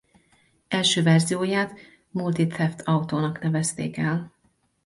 Első verzióját Multi Theft Auto-nak nevezték el.